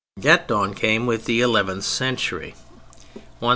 That dawn came with the eleventh century; 1000 1100.